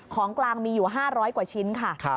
ของกลางมีอยู่๕๐๐กว่าชิ้นค่ะ